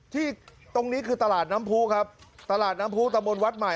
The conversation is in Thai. ที่ตรงนี้คือตลาดน้ำผู้ครับตลาดน้ำผู้ตะมนต์วัดใหม่